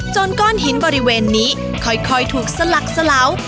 ก้อนหินบริเวณนี้ค่อยถูกสลักสลาว